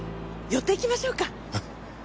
寄っていきましょうか。